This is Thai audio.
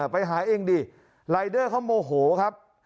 ไปหาเองดิรายเดอร์เขาโมโหครับ